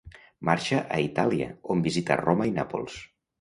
Marxa a Itàlia, on visita Roma i Nàpols.